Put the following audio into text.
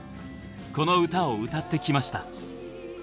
この歌を歌ってきました。